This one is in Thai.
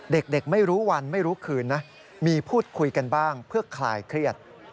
เด็กไม่รู้วันไม่รู้คืนนะมีพูดคุยกันบ้างเพื่อคลายเครียด